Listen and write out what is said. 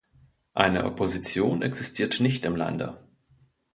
Eine Opposition existiert nicht im Lande.